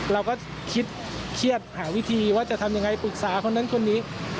เราก็คิดเครียดหาวิธีว่าจะทำยังไงปรึกษาคนนั้นคนนี้